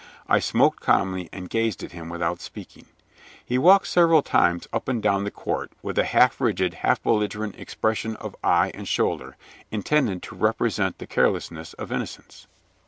I smoked calmly, and gazed at him without speaking. He walked several times up and down the court with a half rigid, half belligerent expression of eye and shoulder, intended to represent the carelessness of innocence.